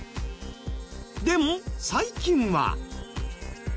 でも最近は。